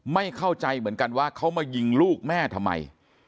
ไม่เข้าใจเหมือนกันว่าเขามายิงลูกแม่ทำไม